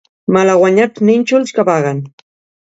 Malaguanyats nínxols que vaguen.